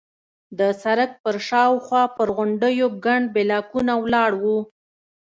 د سړک پر شاوخوا پر غونډیو ګڼ بلاکونه ولاړ وو.